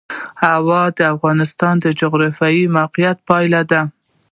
هوا د افغانستان د جغرافیایي موقیعت پایله ده.